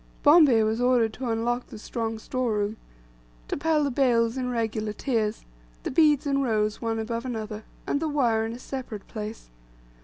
Bombay was ordered to unlock the strong store room, to pile the bales in regular tiers, the beads in rows one above another, and the wire in a separate place.